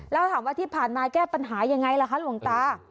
แล้วถามว่าที่ผ่านมาแก้ปัญหายังไงล่ะคะหลวงตา